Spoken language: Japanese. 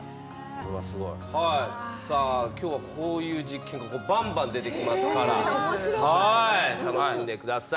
今日はこういう実験がバンバン出てきますから楽しんでください。